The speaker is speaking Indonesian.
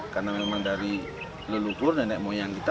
karena memang dari leluhur nenek moyang kita